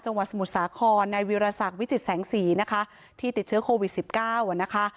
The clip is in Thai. จังหวัดสมุทรสาครในวิราศักดิ์วิจิแสงสีนะคะที่ติดเชื้อโควิดสิบเก้านะคะ